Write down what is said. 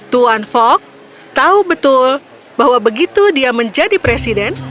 tuan fok tahu betul bahwa begitu dia menjadi presiden